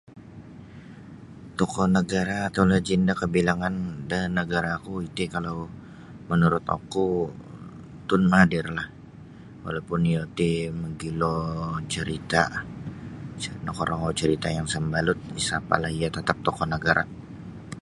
Tokoh negara atau lagenda kabilangan da nagara ku iti kalau menurut oku Tun Mahathir lah walaupun iyo ti magilo carita nokorongou carita yang isa mabalu isa apa iyo tatap tokoh nagara.